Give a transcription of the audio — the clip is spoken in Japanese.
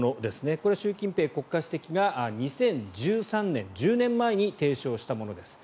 これ、習近平国家主席が２０１３年１０年前に提唱したものです。